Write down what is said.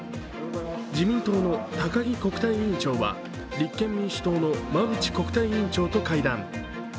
自民党の高木国対委員長は立憲民主党の馬淵国対委員長と対談。